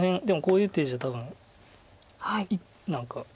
でもこういう手じゃ多分何か。